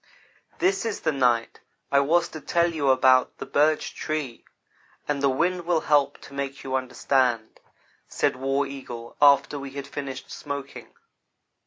"This is the night I was to tell you about the Birch Tree, and the wind will help to make you understand," said War Eagle after we had finished smoking.